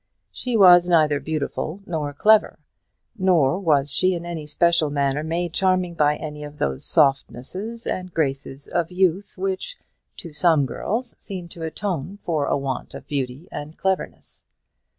She was neither beautiful nor clever, nor was she in any special manner made charming by any of those softnesses and graces of youth which to some girls seem to atone for a want of beauty and cleverness.